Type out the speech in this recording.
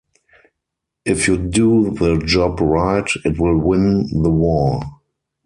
If you do the job right, it will win the war.